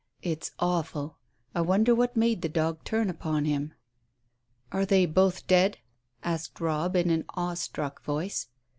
"It's awful; I wonder what made the dog turn upon him?" "Are they both dead?" asked Robb, in an awestruck voice.